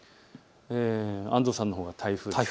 安藤さんのほうが台風です。